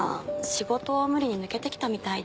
仕事を無理に抜けてきたみたいで。